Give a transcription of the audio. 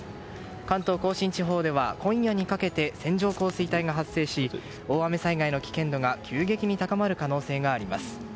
関東・甲信地方では今夜にかけて線状降水帯が発生し大雨災害の危険度が急激に高まる可能性があります。